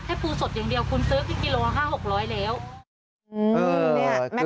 แค่ปูสดอย่างเดียวคุณซื้อไปกิโลวาคม๕๐๐๖๐๐บาทแล้ว